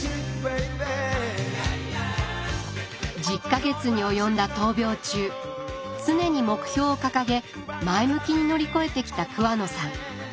１０か月に及んだ闘病中常に目標を掲げ前向きに乗り越えてきた桑野さん。